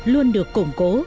luôn được cổng cố